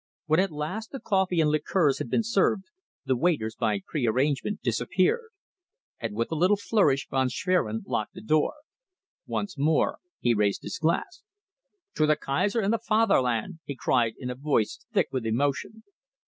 When at last the coffee and liqueurs had been served, the waiters by prearrangement disappeared, and with a little flourish Von Schwerin locked the door. Once more he raised his glass. "To the Kaiser and the Fatherland!" he cried in a voice thick with emotion.